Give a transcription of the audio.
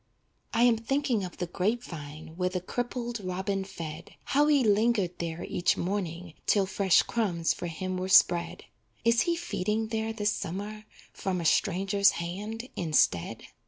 I am thinking of the grape vine Where the crippled robin fed, How he lingered there each morning 'Till fresh crumbs for him were spread. Is he feeding there this summer From a stranger's hand, instead?